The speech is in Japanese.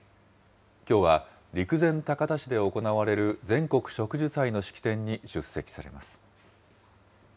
きょうは陸前高田市で行われる全国植樹祭の式典に出席されます。